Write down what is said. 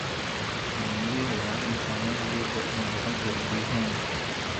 جنگلی حیات انسانوں کے لیئے بہت ضروری ہیں